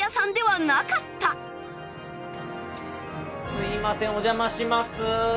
すいませんお邪魔します。